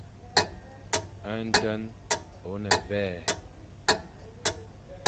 Nten ô ne mvè.